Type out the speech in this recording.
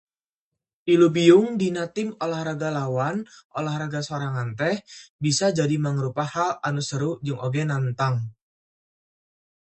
Ilubiung dina tim olahraga lawan, olahraga sorangan teh bisa jadi mangrupa hal anu seru jeung oge nangtang.